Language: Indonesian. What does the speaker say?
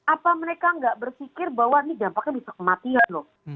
apa mereka nggak berpikir bahwa ini dampaknya bisa kematian loh